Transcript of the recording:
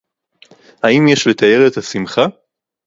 הַאִם יֵשׁ לְתָאֵר אֶת הַשִּׂמְחָה?